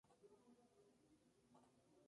Puede producir informes muy diferentes.